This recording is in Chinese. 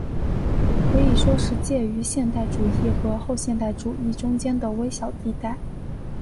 可以说是介于现代主义和后现代主义中间的微小地带。